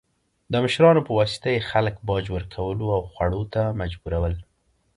د مشرانو په واسطه یې خلک باج ورکولو او خوړو ته مجبورول.